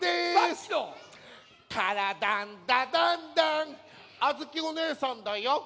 「からだダンダンダン」あづきおねえさんだよ。